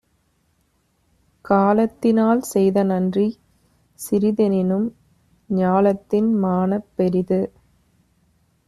காலத்தி னால்செய்த நன்றி சிறிதுஎனினும் ஞாலத்தின் மானப் பெரிது.